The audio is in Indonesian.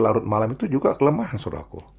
larut malam itu juga kelemahan saudara ku